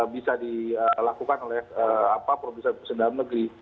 bisa dilakukan oleh produsen produsen dalam negeri